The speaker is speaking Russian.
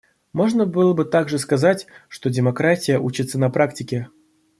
Можно было бы также сказать, что демократия учится на практике.